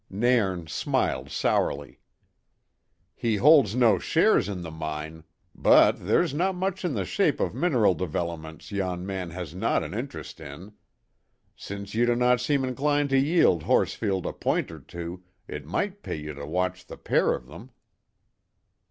Nairn smiled sourly. "He holds no shares in the mine, but there's no much in the shape of mineral developments yon man has no an interest in. Since ye do not seem inclined to yield Horsfield a point or two, it might pay ye to watch the pair of them."